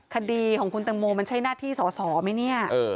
คดีของคุณตังโมมันใช้หน้าที่สสไหม